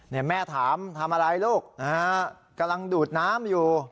แม่ถามทำอะไรลูกนะฮะกำลังดูดน้ำอยู่